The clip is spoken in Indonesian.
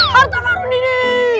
harta karun ini